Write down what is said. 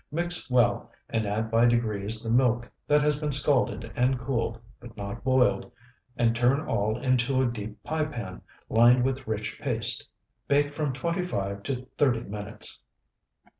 Mix well and add by degrees the milk that has been scalded and cooled (but not boiled), and turn all into a deep pie pan, lined with rich paste. Bake from twenty five to thirty minutes.